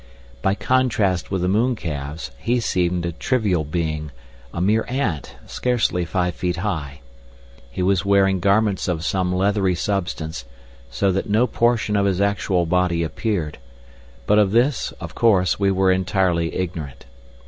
By contrast with the mooncalves he seemed a trivial being, a mere ant, scarcely five feet high. He was wearing garments of some leathery substance, so that no portion of his actual body appeared, but of this, of course, we were entirely ignorant.